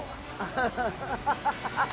ハハハハ！